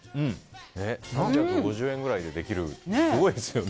３５０円ぐらいでできるってすごいですよね。